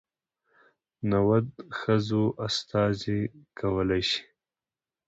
نود ښځو استازي کولى شي.